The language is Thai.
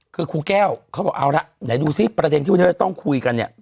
คือครูแก้วเขาบอกเอาละไหนดูซิประเด็นที่วันนี้เราจะต้องคุยกันเนี่ย